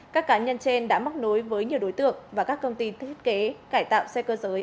các cá nhân trên đã móc nối với nhiều đối tượng và các công ty thiết kế cải tạo xe cơ giới